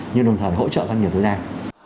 nhưng đồng thời hỗ trợ doanh nghiệp tới đây